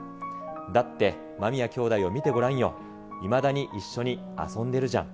だって間宮兄弟を見てごらんよ、いまだに一緒に遊んでるじゃん。